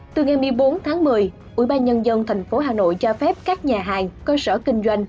từ ngày một mươi bốn tháng một mươi ubnd tp hà nội cho phép các nhà hàng cơ sở kinh doanh